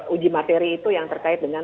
uji materi itu yang terkait dengan